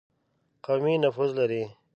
قومي نفوذ لري.